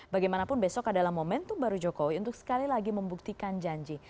bagaimanapun besok adalah momentum baru jokowi untuk sekali lagi membuktikan janji